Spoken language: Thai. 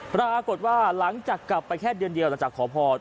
ปรากฏว่าหลังจากกลับไปแค่เดือนเดียวหลังจากขอพร